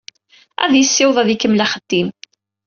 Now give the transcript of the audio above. Ad yessiweḍ ad ikemmel axeddim.